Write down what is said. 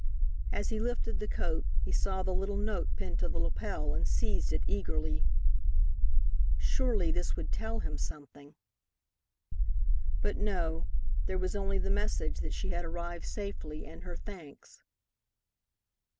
As he lifted the coat, he saw the little note pinned to the lapel, and seized it eagerly. Surely this would tell him something! But no, there was only the message that she had arrived safely, and her thanks.